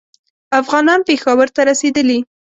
افغانان پېښور ته رسېدلي.